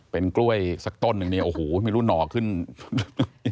เป็นกล้วยสักต้นอย่างนี้โอ้โฮมีรูสนนอขึ้ง